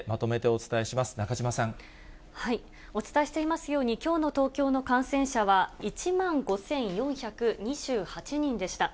お伝えしていますように、きょうの東京の感染者は、１万５４２８人でした。